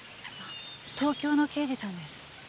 東京の刑事さんです。